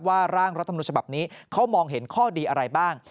ร่างรัฐมนุนฉบับนี้เขามองเห็นข้อดีอะไรบ้าง